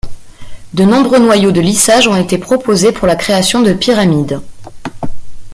De nombreux noyaux de lissage ont été proposé pour la création de pyramides.